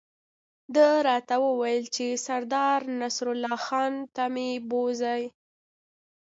ده راته وویل چې سردار نصرالله خان ته به مې بوزي.